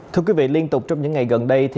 thưa quý vị liên tục trong những ngày gần đây